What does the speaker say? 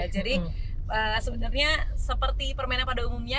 jadi sebenarnya seperti permainan pada umumnya